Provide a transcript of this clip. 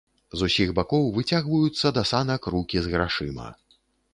З усіх бакоў выцягваюцца да санак рукі з грашыма.